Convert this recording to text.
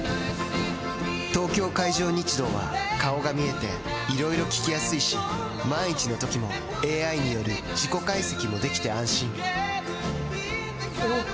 東京海上日動は顔が見えていろいろ聞きやすいし万一のときもＡＩによる事故解析もできて安心おぉ！